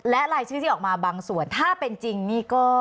และรายชื่อที่ออกมาบางส่วนถ้าเป็นจริงนี่ก็